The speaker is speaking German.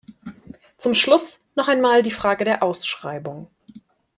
Zum Schluss noch einmal die Frage der Ausschreibung.